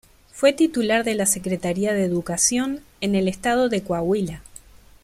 Fue titular de la Secretaría de Educación en el estado de Coahuila.